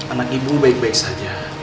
anak ibu baik baik saja